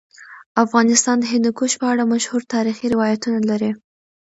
افغانستان د هندوکش په اړه مشهور تاریخی روایتونه لري.